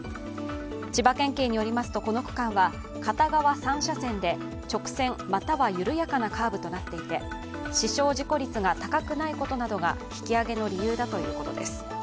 千葉県警によりますとこの区間は片側３車線で直線または緩やかなカーブとなっていて死傷事故率が高くないことなどが引き上げの理由だということです。